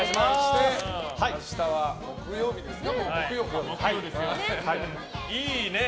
明日は木曜日ですか。